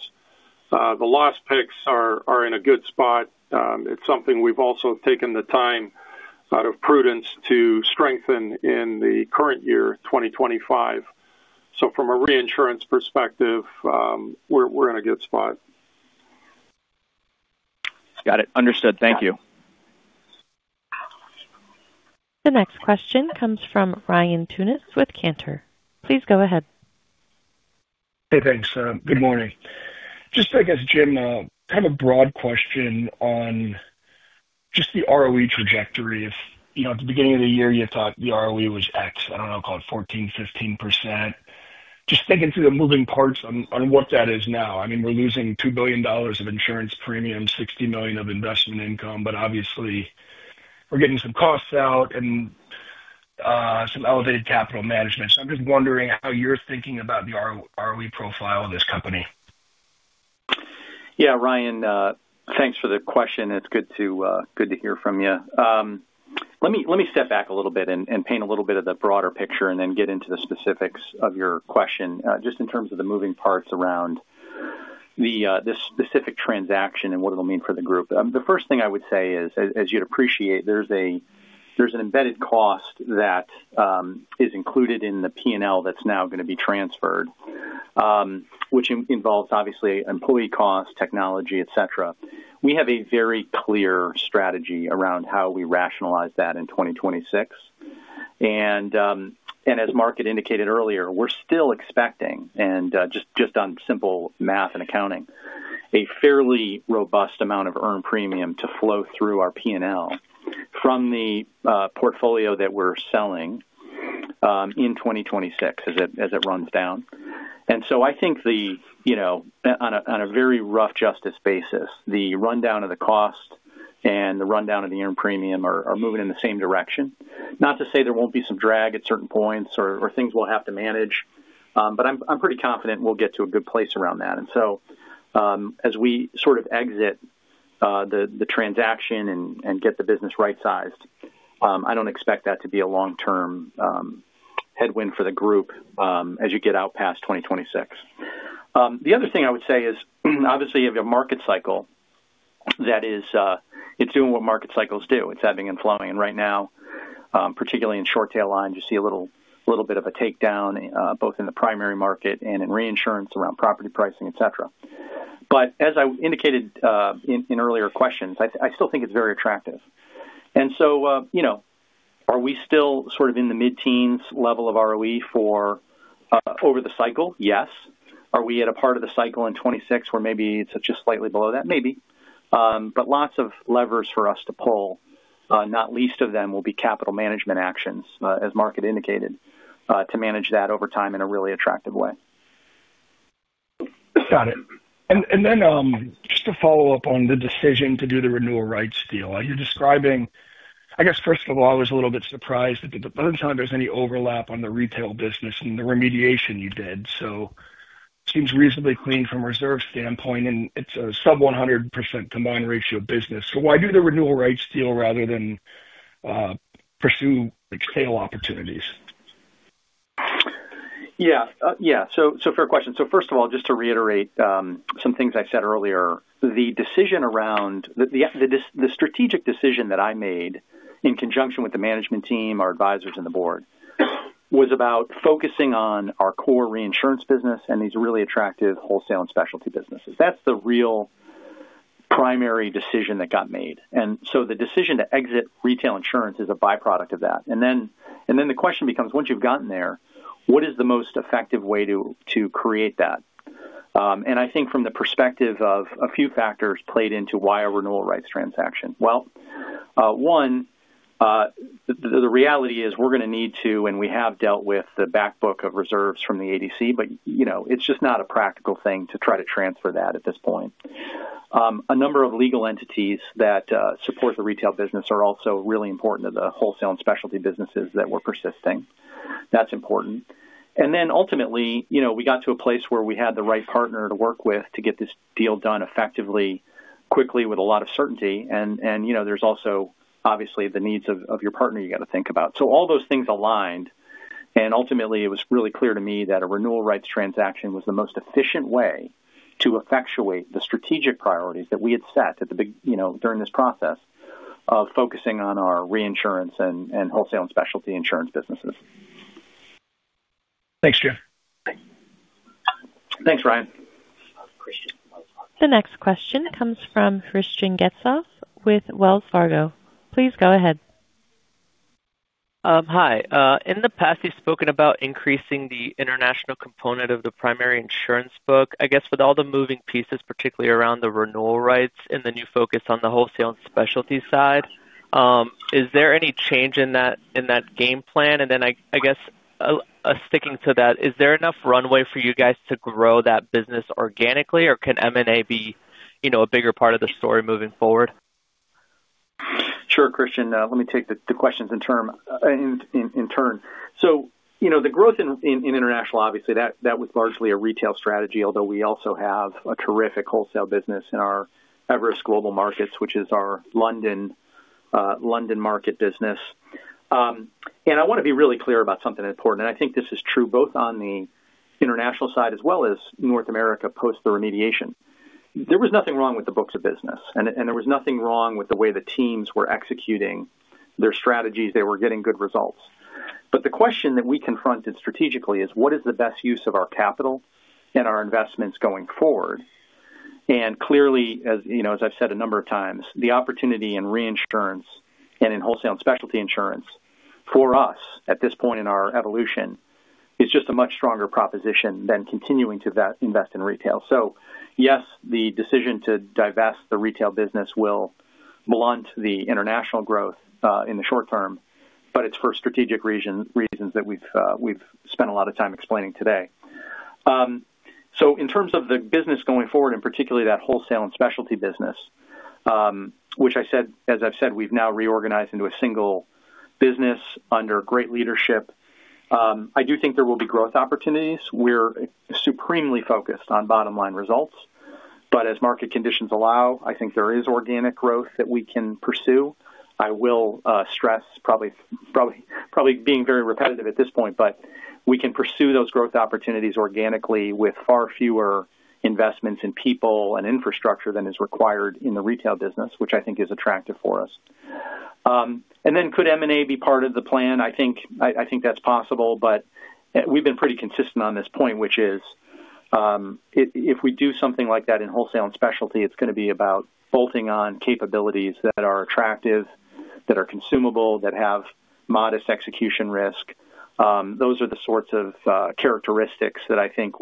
The loss picks are in a good spot. It's something we've also taken the time out of prudence to strengthen in the current year, 2025. From a reinsurance perspective, we're in a good spot. Got it. Understood. Thank you. The next question comes from Ryan Tunis with Cantor. Please go ahead. Hey, thanks. Good morning. Just thinking as Jim, kind of a broad question on just the ROE trajectory. If, you know, at the beginning of the year, you thought the ROE was X, I don't know, call it 14%, 15%. Just thinking through the moving parts on what that is now. I mean, we're losing $2 billion of insurance premium, $60 million of investment income, but obviously, we're getting some costs out and some elevated capital management. I'm just wondering how you're thinking about the ROE profile of this company. Yeah, Ryan, thanks for the question. It's good to hear from you. Let me step back a little bit and paint a little bit of the broader picture and then get into the specifics of your question, just in terms of the moving parts around this specific transaction and what it'll mean for the group. The first thing I would say is, as you'd appreciate, there's an embedded cost that is included in the P&L that's now going to be transferred, which involves obviously employee cost, technology, etc. We have a very clear strategy around how we rationalize that in 2026. As Mark had indicated earlier, we're still expecting, just on simple math and accounting, a fairly robust amount of earned premium to flow through our P&L from the portfolio that we're selling in 2026 as it runs down. I think, on a very rough justice basis, the rundown of the cost and the rundown of the earned premium are moving in the same direction. Not to say there won't be some drag at certain points or things we'll have to manage, but I'm pretty confident we'll get to a good place around that. As we sort of exit the transaction and get the business right-sized, I don't expect that to be a long-term headwind for the group as you get out past 2026. The other thing I would say is, obviously, you have your market cycle that is doing what market cycles do. It's ebbing and flowing. Right now, particularly in short-tail lines, you see a little bit of a takedown, both in the primary market and in reinsurance around property pricing, etc. As I indicated in earlier questions, I still think it's very attractive. Are we still sort of in the mid-teens level of ROE over the cycle? Yes. Are we at a part of the cycle in 2026 where maybe it's just slightly below that? Maybe. There are lots of levers for us to pull, not least of them will be capital management actions, as Mark had indicated, to manage that over time in a really attractive way. Got it. Just to follow up on the decision to do the renewal rights deal, you're describing, I guess, first of all, I was a little bit surprised at the time, there's any overlap on the retail business and the remediation you did. It seems reasonably clean from a reserve standpoint, and it's a sub-100% combined ratio business. Why do the renewal rights deal rather than pursue sale opportunities? Yeah. So, fair question. First of all, just to reiterate some things I said earlier, the decision around the strategic decision that I made in conjunction with the management team, our advisors, and the board was about focusing on our core reinsurance business and these really attractive wholesale and specialty businesses. That's the real primary decision that got made. The decision to exit retail insurance is a byproduct of that. The question becomes, once you've gotten there, what is the most effective way to create that? I think from the perspective of a few factors played into why a renewal rights transaction. One, the reality is we're going to need to, and we have dealt with the backbook of reserves from the adverse development cover (ADC), but you know, it's just not a practical thing to try to transfer that at this point. A number of legal entities that support the retail business are also really important to the wholesale and specialty businesses that were persisting. That's important. Ultimately, we got to a place where we had the right partner to work with to get this deal done effectively, quickly, with a lot of certainty. There's also obviously the needs of your partner you got to think about. All those things aligned. Ultimately, it was really clear to me that a renewal rights transaction was the most efficient way to effectuate the strategic priorities that we had set during this process of focusing on our reinsurance and wholesale and specialty insurance businesses. Thanks, Jim. Thanks, Ryan. The next question comes from Christian Getzoff with Wells Fargo. Please go ahead. Hi. In the past, you've spoken about increasing the international component of the primary insurance book. With all the moving pieces, particularly around the renewal rights and the new focus on the wholesale and specialty side, is there any change in that game plan? Sticking to that, is there enough runway for you guys to grow that business organically, or can M&A be a bigger part of the story moving forward? Sure, Christian. Let me take the questions in turn. The growth in international, obviously, that was largely a retail strategy, although we also have a terrific wholesale business in our Everest Global Markets, which is our London market business. I want to be really clear about something important. I think this is true both on the international side as well as North America post the remediation. There was nothing wrong with the books of business. There was nothing wrong with the way the teams were executing their strategies. They were getting good results. The question that we confronted strategically is, what is the best use of our capital and our investments going forward? Clearly, as you know, as I've said a number of times, the opportunity in reinsurance and in wholesale and specialty insurance for us at this point in our evolution is just a much stronger proposition than continuing to invest in retail. Yes, the decision to divest the retail business will blunt the international growth in the short term, but it's for strategic reasons that we've spent a lot of time explaining today. In terms of the business going forward, and particularly that wholesale and specialty business, which, as I've said, we've now reorganized into a single business under great leadership, I do think there will be growth opportunities. We're supremely focused on bottom-line results. As market conditions allow, I think there is organic growth that we can pursue. I will stress, probably being very repetitive at this point, but we can pursue those growth opportunities organically with far fewer investments in people and infrastructure than is required in the retail business, which I think is attractive for us. Could M&A be part of the plan? I think that's possible, but we've been pretty consistent on this point, which is, if we do something like that in wholesale and specialty, it's going to be about bolting on capabilities that are attractive, that are consumable, that have modest execution risk. Those are the sorts of characteristics that I think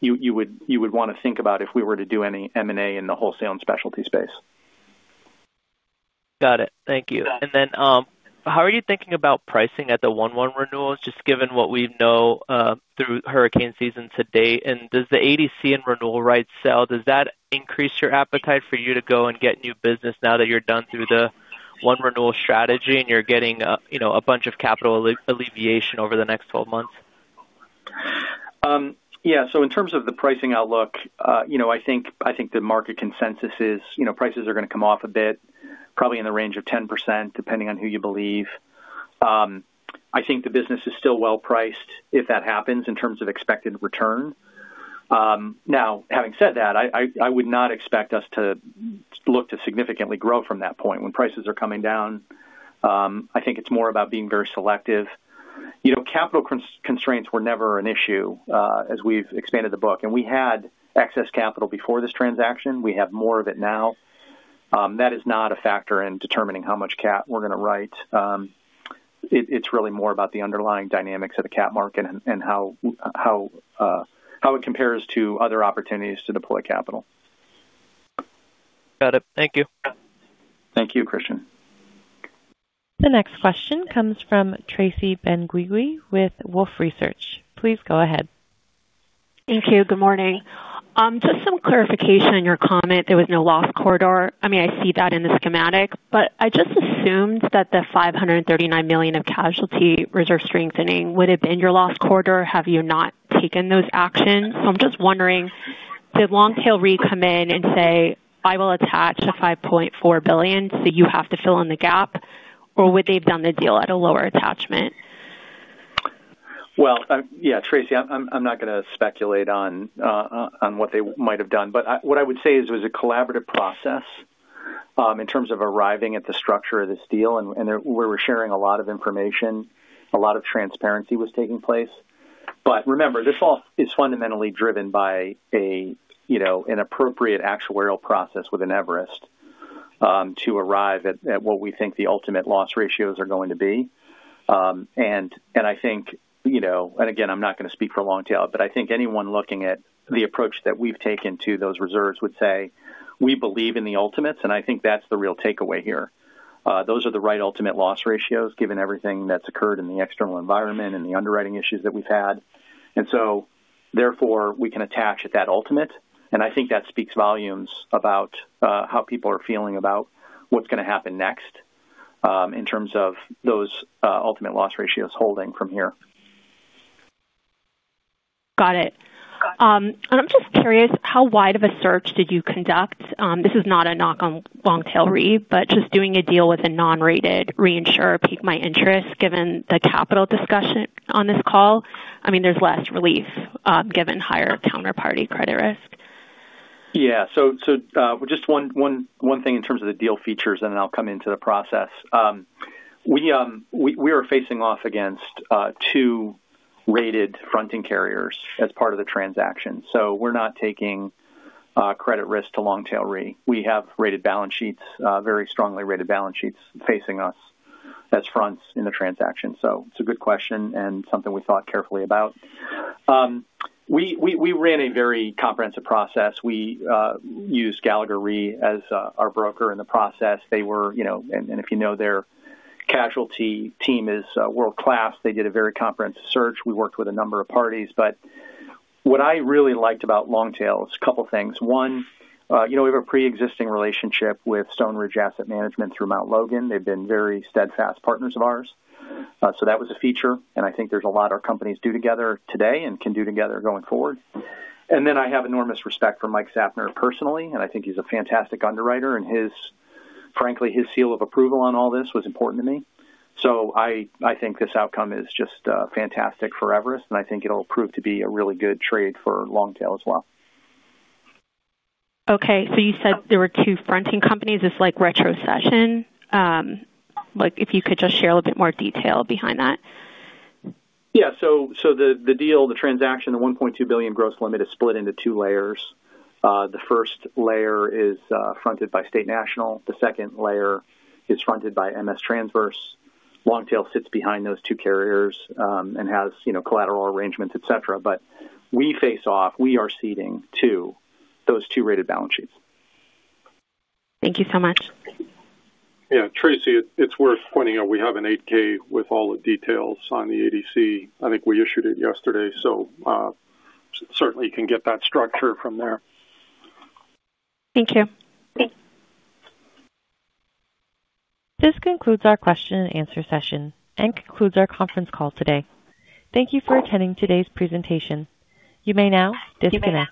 you would want to think about if we were to do any M&A in the wholesale and specialty space. Got it. Thank you. How are you thinking about pricing at the 1/1 renewals, just given what we know through hurricane season to date? Does the ADC and renewal rights sale increase your appetite for you to go and get new business now that you're done through the one renewal strategy and you're getting a bunch of capital alleviation over the next 12 months? Yeah. In terms of the pricing outlook, I think the market consensus is prices are going to come off a bit, probably in the range of 10%, depending on who you believe. I think the business is still well-priced if that happens in terms of expected return. Now, having said that, I would not expect us to look to significantly grow from that point. When prices are coming down, I think it's more about being very selective. Capital constraints were never an issue, as we've expanded the book. We had excess capital before this transaction. We have more of it now. That is not a factor in determining how much CAT we're going to write. It's really more about the underlying dynamics of the CAT market and how it compares to other opportunities to deploy capital. Got it. Thank you. Thank you, Christian. The next question comes from Tracy Benguigui with Wolfe Research. Please go ahead. Thank you. Good morning. Just some clarification on your comment. There was no loss corridor. I mean, I see that in the schematic, but I just assumed that the $539 million of casualty reserve strengthening would have been your loss corridor had you not taken those actions. I'm just wondering, did Longtail Re come in and say, "I will attach at $5.4 billion so you have to fill in the gap," or would they have done the deal at a lower attachment? Tracy, I'm not going to speculate on what they might have done. What I would say is it was a collaborative process in terms of arriving at the structure of this deal, and we were sharing a lot of information. A lot of transparency was taking place. Remember, this all is fundamentally driven by an appropriate actuarial process with Everest, to arrive at what we think the ultimate loss ratios are going to be. I think, you know, and again, I'm not going to speak for Longtail, but I think anyone looking at the approach that we've taken to those reserves would say, "We believe in the ultimates," and I think that's the real takeaway here. Those are the right ultimate loss ratios given everything that's occurred in the external environment and the underwriting issues that we've had. Therefore, we can attach at that ultimate. I think that speaks volumes about how people are feeling about what's going to happen next, in terms of those ultimate loss ratios holding from here. Got it. I'm just curious, how wide of a search did you conduct? This is not a knock on Longtail Re, but just doing a deal with a non-rated reinsurer piqued my interest given the capital discussion on this call. I mean, there's less relief, given higher counterparty credit risk. Yeah. Just one thing in terms of the deal features, and then I'll come into the process. We are facing off against two rated fronting carriers as part of the transaction, so we're not taking credit risk to Longtail Re. We have rated balance sheets, very strongly rated balance sheets facing us as fronts in the transaction. It's a good question and something we thought carefully about. We ran a very comprehensive process. We used Gallagher Re as our broker in the process. They were, you know, and if you know, their casualty team is world-class. They did a very comprehensive search. We worked with a number of parties. What I really liked about Longtail is a couple of things. One, we have a preexisting relationship with Stoneridge Asset Management through Mount Logan. They've been very steadfast partners of ours, so that was a feature. I think there's a lot our companies do together today and can do together going forward. I have enormous respect for Mike Sapner personally, and I think he's a fantastic underwriter. Frankly, his seal of approval on all this was important to me. I think this outcome is just fantastic for Everest, and I think it'll prove to be a really good trade for Longtail as well. Okay. You said there were two fronting companies. It's like retrocession. If you could just share a little bit more detail behind that. Yeah. The deal, the transaction, the $1.2 billion gross limit is split into two layers. The first layer is fronted by State National. The second layer is fronted by MS Transverse. Longtail sits behind those two carriers and has, you know, collateral arrangements, etc. We face off, we are ceding to those two rated balance sheets. Thank you so much. Yeah, Tracy, it's worth pointing out we have an 8-K with all the details on the ADC. I think we issued it yesterday. Certainly you can get that structure from there. Thank you. This concludes our question and answer session and concludes our conference call today. Thank you for attending today's presentation. You may now disconnect.